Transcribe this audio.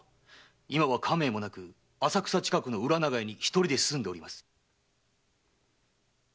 今は家名もなく浅草近くの裏長屋に一人で住んでおります。